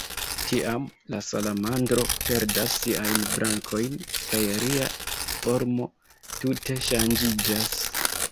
Tiam, la salamandro perdas siajn brankojn, kaj ria formo tute ŝanĝiĝas.